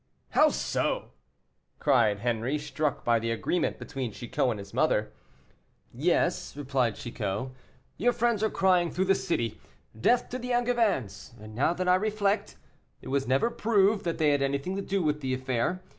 "How so?" cried Henri, struck by the agreement between Chicot and his mother. "Yes," replied Chicot, "your friends are crying through the city, 'Death to the Angevins!' and now that I reflect, it was never proved that they had anything to do with the affair.